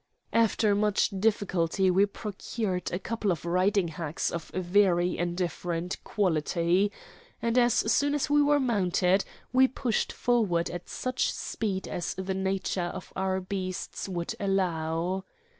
After much difficulty we procured a couple of riding hacks of very indifferent quality, and as soon as we were mounted we pushed forward at such speed as the nature of our beasts would allow.